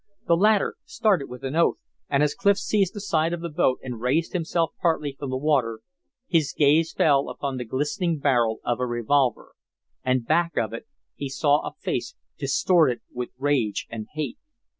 The latter started with an oath, and as Clif seized the side of the boat and raised himself partly from the water, his gaze fell upon the glistening barrel of a revolver and back of it he saw a face distorted with rage and hate.